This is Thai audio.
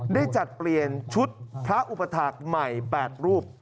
ได้จัดเปลี่ยนชุดพระอุปถาคใหม่๘รูป